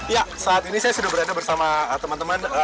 ya saat ini saya sudah berada bersama teman teman